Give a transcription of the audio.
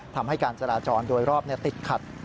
ทำให้การจราจรโดยรอบติดขัด